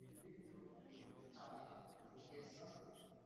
ku bihumbi mirongo itanu kugeza